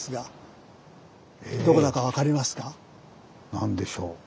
何でしょう？